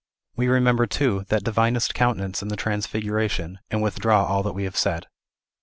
We remember, too, that divinest countenance in the Transfiguration, and withdraw all that we have said.